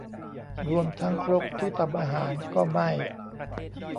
รวมทั้งครกที่ตำอาหารก็ไหม้